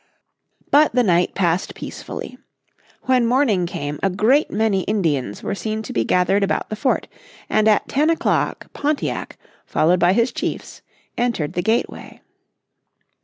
But the night passed peacefully. When morning came a great many Indians were seen to be gathered about the fort, and at ten o'clock Pontiac, followed by his chiefs, entered the gateway.